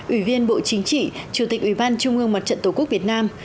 ủy viên bộ chính trị chủ tịch ủy ban trung ương mặt trận tổ quốc việt nam